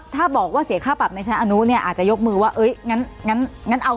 ถ้าบอกว่าเสียค่าปรับในฐานะอันนู้น์อาจจะยกมือไวยกับเอาเถอะ